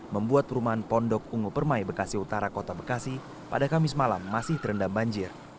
membuat perumahan pondok ungu permai bekasi utara kota bekasi pada kamis malam masih terendam banjir